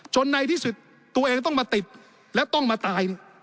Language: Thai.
ในที่สุดตัวเองต้องมาติดแล้วต้องมาตาย